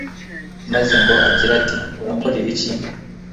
maze ngo agire ati urakora ibiki